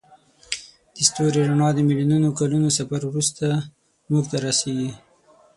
د ستوري رڼا د میلیونونو کلونو سفر وروسته موږ ته رسیږي.